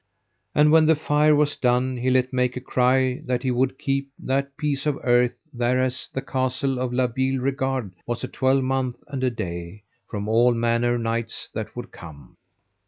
And when the fire was done he let make a cry that he would keep that piece of earth thereas the castle of La Beale Regard was a twelvemonth and a day, from all manner knights that would come.